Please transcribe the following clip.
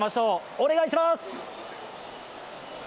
お願いします！